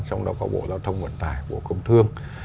trong đó có bộ giao thông vận tải bộ công thương